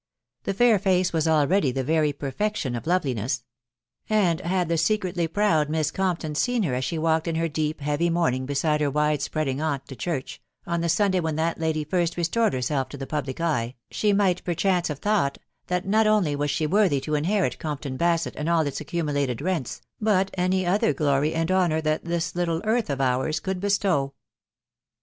The fair face was already the very perfection of loveliness ; and had the secretly proud Miss Compton seen her as she walked in her deep heavy mourning beside her wide spreading aunt to church, on the Sunday when that lady first restored herself to the public eye, she might perchance have thought, that not only was she v*<w*J\^ \s> inherit Compton JBasett and all it* acc\im\3\^t\x«cv\A^\s^'KK^ ¥ 2 68 THE WIDOW BARNABV. other glory and honour that this little earth of ours could bestow.